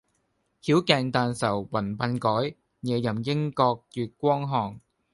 曉鏡但愁云鬢改，夜吟應覺月光寒。